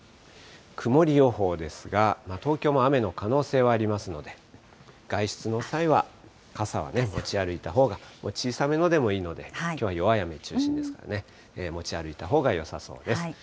曇り予報ですが、東京も雨の可能性はありますので、外出の際は傘は持ち歩いたほうが、小さめのでもいいので、きょうは弱い雨中心ですからね、持ち歩いたほうがよさそうです。